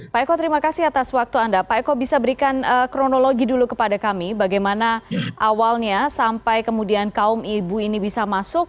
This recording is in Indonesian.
pak eko terima kasih atas waktu anda pak eko bisa berikan kronologi dulu kepada kami bagaimana awalnya sampai kemudian kaum ibu ini bisa masuk